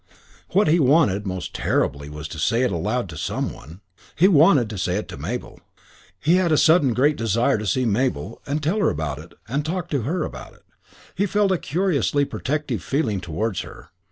What he wanted, most terribly, was to say it aloud to some one. He wanted to say it to Mabel. He had a sudden great desire to see Mabel and tell her about it and talk to her about it. He felt a curiously protective feeling towards her.